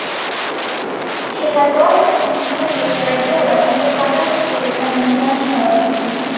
He has also continued to tour regularly in the Southern states and internationally.